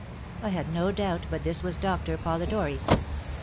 I had no doubt but this was Doctor Polidori.